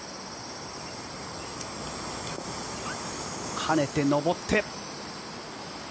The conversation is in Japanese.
跳ねて上って。